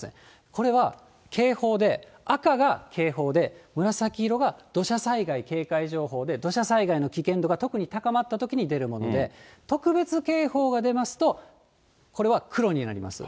これは警報で、赤が警報で、紫色が土砂災害警戒情報で、土砂災害の危険度が特に高まったときに出るもので、特別警報が出ますと、これは黒になります。